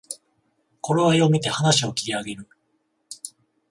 頃合いをみて話を切り上げる